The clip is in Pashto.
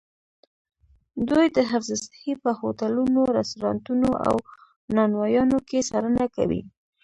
دوی د حفظ الصحې په هوټلونو، رسټورانتونو او نانوایانو کې څارنه کوي.